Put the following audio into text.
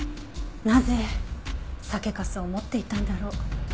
なぜ酒粕を持っていたんだろう？